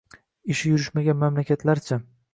Ishi yurishmagan mamlakatlar-chi –